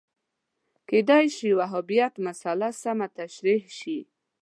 کېدای شو وهابیت مسأله سمه تشریح شي